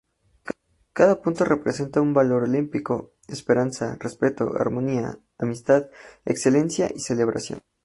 Cada punto representa una valor olímpico; Esperanza, Respeto, armonía, Amistad, Excelencia y celebración.